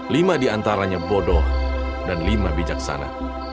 lima di antaranya bodoh dan lima bijaksana